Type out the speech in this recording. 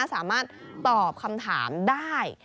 สามารถตอบคำถามได้